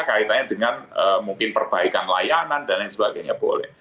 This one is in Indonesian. kaitannya dengan mungkin perbaikan layanan dan lain sebagainya boleh